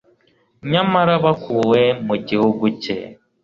nyamara bakuwe mu gihugu cye